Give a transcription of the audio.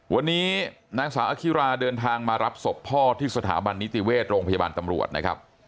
วันนี้นางสาวอคิราเดินทางมารับศพพ่อที่สถาบันนิติเวชโรงพยาบาลตำรวจนะครับ